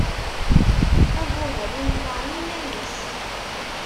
Abuhal inefɛen iman-is.